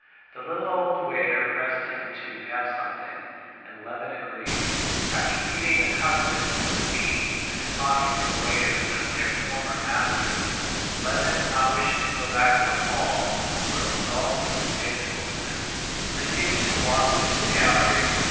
The little old waiter pressed him to have something, and Levin agreed. After eating a cutlet with beans and talking to the waiters of their former masters, Levin, not wishing to go back to the hall, where it was all so distasteful to him, proceeded to walk through the galleries.